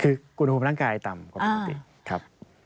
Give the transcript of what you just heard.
คือกุณหวมร่างกายต่ำกว่าปกติ